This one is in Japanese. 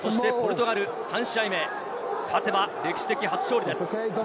そしてポルトガル３試合目、勝てば歴史的初勝利です。